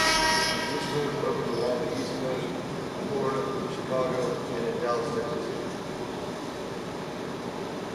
New stores opened along the East Coast, Florida, Chicago, and in Dallas, Texas.